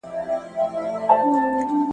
د زده کړې پرېښودو اقتصادي ستونزې باید حل شي.